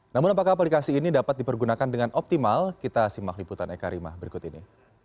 namun apakah aplikasi ini dapat dipergunakan dengan optimal kita simak liputan eka rima berikut ini